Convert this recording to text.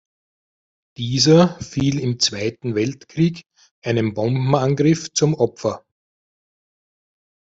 Dieser fiel im Zweiten Weltkrieg einem Bombenangriff zum Opfer.